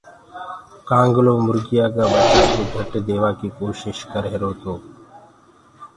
ڪآنگلآ مُريآ ڪآ ٻچآ ڪوُ جھٽ ديوآ ڪي ڪوشش ڪر رهيرو هي۔